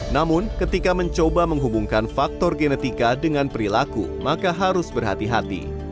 namun ketika mencoba menghubungkan faktor genetika dengan perilaku maka harus berhati hati